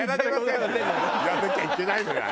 言わなきゃいけないのよあれ。